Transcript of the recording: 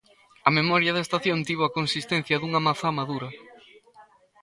A memoria da estación tivo a consistencia dunha mazá madura.